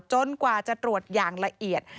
กว่าจะตรวจอย่างละเอียด